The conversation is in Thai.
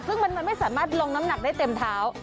ซึ่งมันไม่สามารถลงน้ำหนักได้เต็มเท้า